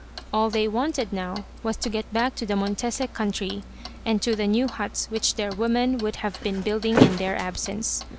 All they wanted, now, was to get back to the Montese country, and to the new huts which their women would have been building in their absence.